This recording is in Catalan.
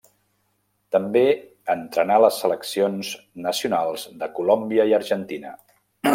També entrenà les seleccions nacionals de Colòmbia i Argentina.